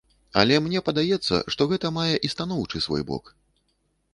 Але мне падаецца, што гэта мае і станоўчы свой бок.